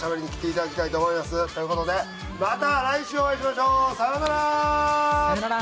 という事でまた来週お会いしましょう。さようなら！